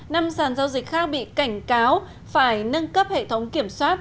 năm sản giao dịch khác bị cảnh cáo phải nâng cấp hệ thống kiểm soát